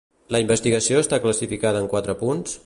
La investigació està classificada en quatre punts?